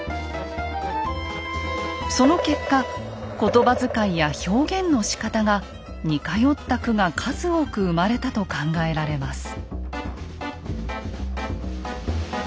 その結果ことばづかいや表現のしかたが似通った句が数多く生まれたと考えられます。